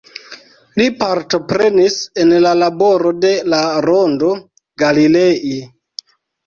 Li partoprenis en la laboro de la Rondo Galilei.